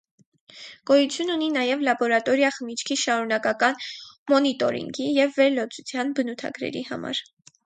Գոյություն ունի նաև լաբորատորիա խմիչքի շարունակական մոնիտորինգի և վերլուծության բնութագրերի համար։